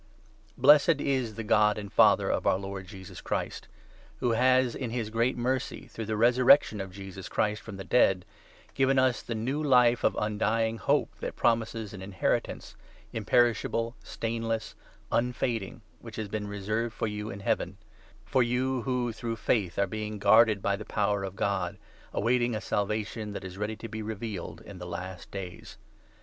Blessed is the God and Father of our Lord Jesus Christ, who 3 has, in his great mercy, through the resurrection of Jesus Christ from the dead, given us the new Life of undying hope, that pro 4 mises an inheritance, imperishable, stainless, unfading, which has been reserved for you in Heaven — for you who, through faith, 5 are being guarded by the power of God, awaiting a Salvation that is ready to be revealed in the last days.